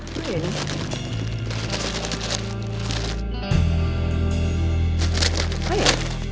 itu dia ya